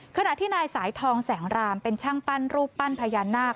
ขณะที่นายสายทองแสงรามเป็นช่างปั้นรูปปั้นพญานาค